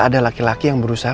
ada laki laki yang berusaha